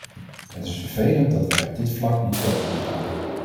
Het is vervelend dat wij op dit vlak niet verder konden gaan.